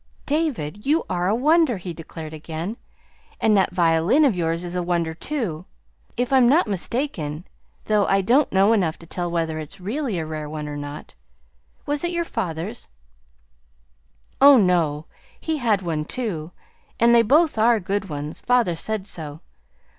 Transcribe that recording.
"David, you are a wonder," he declared again. "And that violin of yours is a wonder, too, if I'm not mistaken, though I don't know enough to tell whether it's really a rare one or not. Was it your father's?" "Oh, no. He had one, too, and they both are good ones. Father said so.